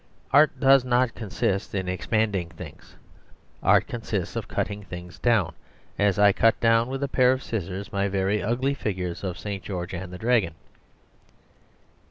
Art does not consist in expanding things. Art consists of cutting things down, as I cut down with a pair of scissors my very ugly figures of St. George and the Dragon.